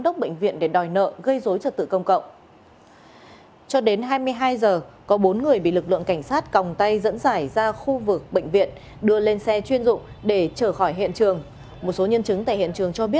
các bạn hãy đăng ký kênh để ủng hộ kênh của chúng mình nhé